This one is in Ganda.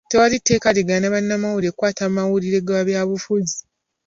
Tewali tteeka ligaana bannamawulire kukwata mawulire ga byabufuzi.